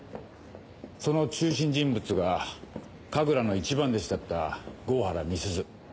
その中心人物が神楽の一番弟子だった郷原美鈴。